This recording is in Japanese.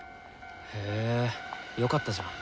へぇよかったじゃん。